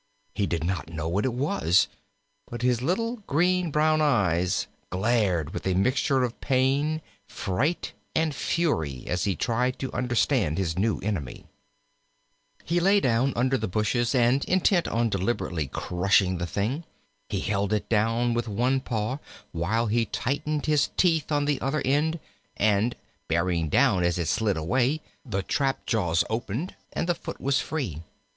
He did not know what it was, but his little green brown eyes glared with a mixture of pain, fright, and fury as he tried to understand his new enemy. He lay down under the bushes, and, intent on deliberately crushing the thing, he held it down with one paw while he tightened his teeth on the other end, and bearing down as it slid away, the trap jaws opened and the foot was free.